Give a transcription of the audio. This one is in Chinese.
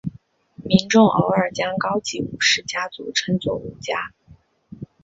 民众偶尔将高级武士家族称作武家。